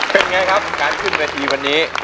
เป็นไงครับการขึ้นเวทีวันนี้